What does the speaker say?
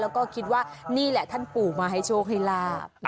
แล้วก็คิดว่านี่แหละท่านปู่มาให้โชคให้ลาบ